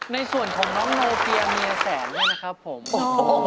ในส่วนของน้องโนเกียเมียแสนเนี่ยนะครับผมโอ้โห